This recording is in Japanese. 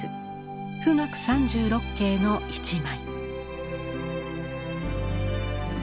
「冨嶽三十六景」の一枚。